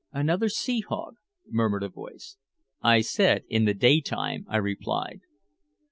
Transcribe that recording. "Another sea hog," murmured a voice. "I said in the daytime," I replied.